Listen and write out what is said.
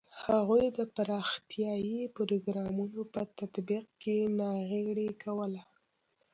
هغوی د پراختیايي پروګرامونو په تطبیق کې ناغېړي کوله.